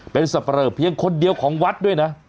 เป็นสับเปรอเพียงคนเดียวของวัดด้วยนะ